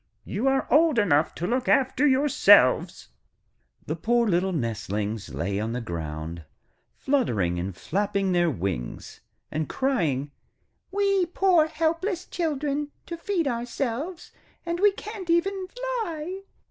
You are old enough to look after yourselves.' The poor little nestlings lay on the ground, fluttering and flapping their wings, and crying: 'We, poor helpless children, to feed ourselves, and we can't even fly!